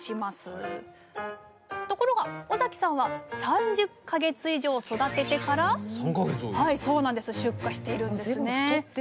ところが尾崎さんは３０か月以上育ててから出荷しているんですね